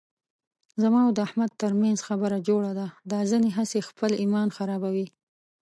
زما او د احمد ترمنځ خبره جوړه ده، دا ځنې هسې خپل ایمان خرابوي.